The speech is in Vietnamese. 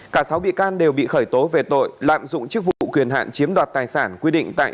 cả sáu bị can đều bị khởi tố về tội lạm dụng chức vụ quyền hạn chiếm đoạt tài sản quy định tại